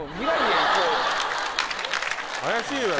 怪しいわよ